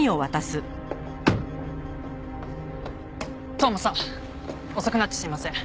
当麻さん遅くなってすいません。